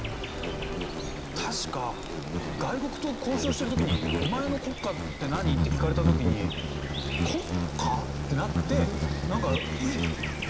確か外国と交渉してる時に「お前の国歌って何？」って聞かれた時に「国歌？」ってなってなんかちょうどいいのないか？